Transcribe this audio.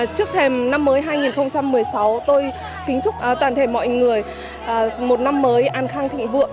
trước thềm năm mới hai nghìn một mươi sáu tôi kính chúc toàn thể mọi người một năm mới an khang thịnh vượng